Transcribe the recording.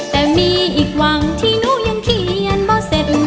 แต่มีอีกวังที่หนูยังเขียนบ่เสร็จ